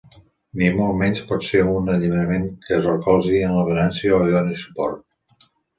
Ni molt menys pot ser un alliberament que es recolzi en la violència o hi doni suport.